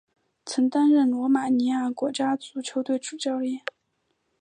曾担任罗马尼亚国家足球队主教练。